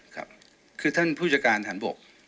คือท่านผู้จักรอันบก